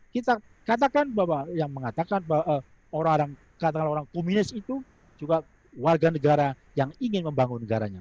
kita katakan bahwa yang mengatakan bahwa orang orang katakanlah orang komunis itu juga warga negara yang ingin membangun negaranya